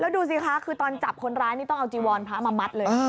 ดูสิคะคือตอนจับคนร้ายนี่ต้องเอาจีวรพระมามัดเลย